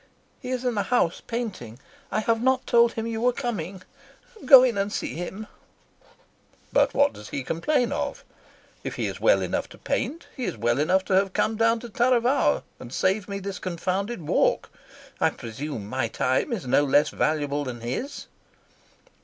"He is in the house, painting. I have not told him you were coming. Go in and see him." "But what does he complain of? If he is well enough to paint, he is well enough to have come down to Taravao and save me this confounded walk. I presume my time is no less valuable than his."